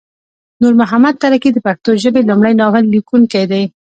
نورمحمد تره کی د پښتو ژبې لمړی ناول لیکونکی دی